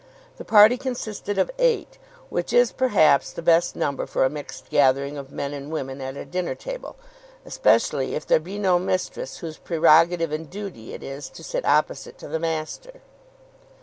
The party consisted of eight, which is, perhaps, the best number for a mixed gathering of men and women at a dinner table, especially if there be no mistress whose prerogative and duty it is to sit opposite to the master.